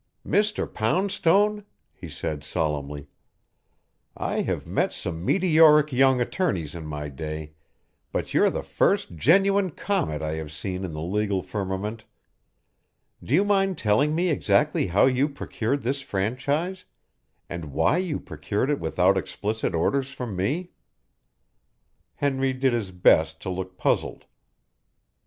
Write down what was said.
"Mr. Poundstone," he said solemnly, "I have met some meteoric young attorneys in my day, but you're the first genuine comet I have seen in the legal firmament. Do you mind telling me exactly how you procured this franchise and why you procured it without explicit orders from me?" Henry did his best to look puzzled.